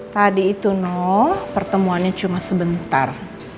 tadi itu no pertemuannya cuma sebentar